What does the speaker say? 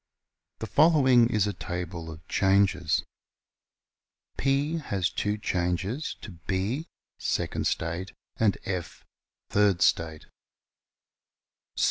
] The following is a table of changes : P has two changes, to B (second state), and F (third state).